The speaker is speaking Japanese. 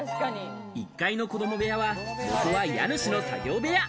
１階の子供部屋は元は家主の作業部屋。